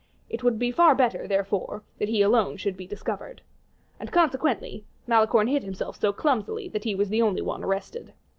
It would be far better, therefore, that he alone should be discovered. And, consequently, Malicorne hid himself so clumsily that he was the only one arrested.